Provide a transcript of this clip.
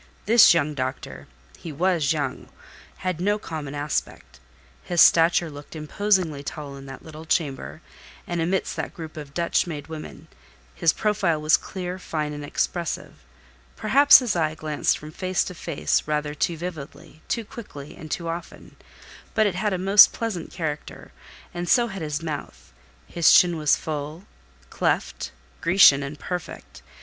This young doctor (he was young) had no common aspect. His stature looked imposingly tall in that little chamber, and amidst that group of Dutch made women; his profile was clear, fine and expressive: perhaps his eye glanced from face to face rather too vividly, too quickly, and too often; but it had a most pleasant character, and so had his mouth; his chin was full, cleft, Grecian, and perfect.